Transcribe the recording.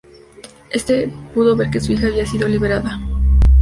Éste pudo ver que su hija había sido liberada.